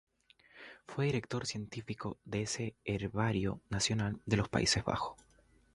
Fue director científico de ese Herbario Nacional de los Países Bajos.